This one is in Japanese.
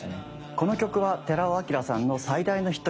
この曲は寺尾聰さんの最大のヒット曲。